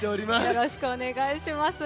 よろしくお願いします。